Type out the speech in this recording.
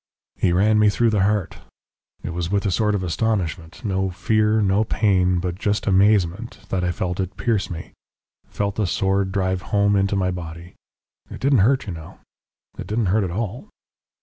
"He ran me through the heart. It was with a sort of astonishment no fear, no pain but just amazement, that I felt it pierce me, felt the sword drive home into my body. It didn't hurt, you know. It didn't hurt at all."